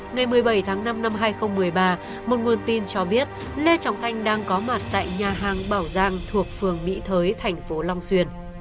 ngày một mươi bảy tháng năm năm hai nghìn một mươi ba một nguồn tin cho biết lê trọng thanh đang có mặt tại nhà hàng bảo giang thuộc phường mỹ thới thành phố long xuyên